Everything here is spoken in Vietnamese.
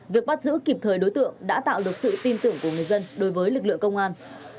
việc bắt giữ kịp thời đối tượng đã tạo được sự tin tưởng của người dân đối với lực lượng công an